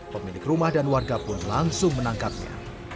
pemilik rumah dan warga pun langsung menangkapnya